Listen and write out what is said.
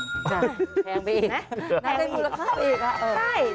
น่าจะมีบุรคาบอีกค่ะ